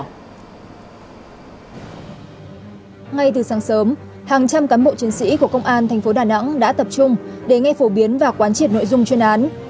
ngay từ sáng sớm hàng trăm cán bộ chiến sĩ của công an tp đà nẵng đã tập trung để nghe phổ biến và quan triệt nội dung chuyên án